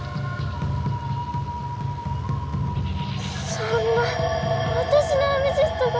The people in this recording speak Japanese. そんなわたしのアメジストが。